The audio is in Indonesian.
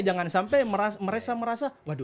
jangan sampai merasa merasa